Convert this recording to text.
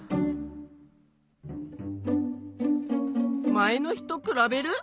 前の日とくらべる？